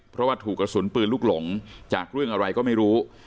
เพราะว่าถูกกระสุนปืนลูกหลงจากเรื่องอะไรก็ไม่รู้